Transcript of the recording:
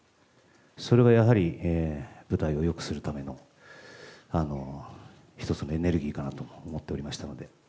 それはやはり、舞台をよくするための１つのエネルギーかなと思っておりましたので。